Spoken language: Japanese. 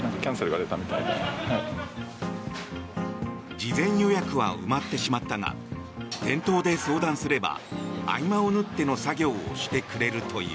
事前予約は埋まってしまったが店頭で相談すれば合間を縫っての作業をしてくれるという。